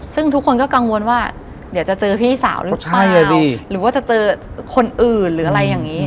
ซึ่งทุกคนก็กังวลว่าเดี๋ยวจะเจอพี่สาวหรือเปล่าหรือว่าจะเจอคนอื่นหรืออะไรอย่างนี้